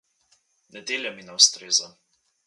Nedelja mi ne ustreza.